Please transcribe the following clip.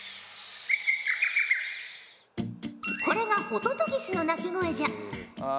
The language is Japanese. これがホトトギスの鳴き声じゃ。